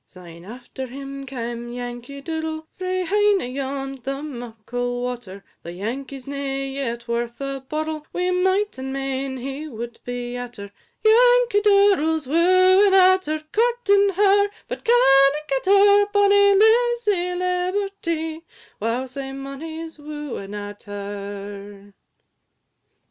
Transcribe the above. VII. Syne after him cam' Yankie Doodle, Frae hyne ayont the muckle water; Though Yankie 's nae yet worth a boddle, Wi' might and main he would be at her: Yankie Doodle 's wooing at her, Courting her, but canna get her; Bonny Lizzy Liberty, wow, sae mony 's wooing at her.